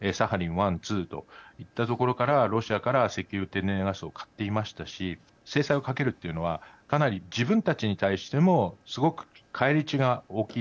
１、２といったところからロシアから石油天然ガスを買っていましたし制裁をかけるというのはかなり自分たちに対してもすごく返り血が大きい。